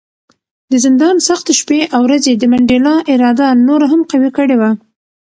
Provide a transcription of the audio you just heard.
د زندان سختې شپې او ورځې د منډېلا اراده نوره هم قوي کړې وه.